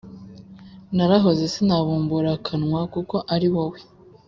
Narahoze sinabumbura akanwa Kuko ari wowe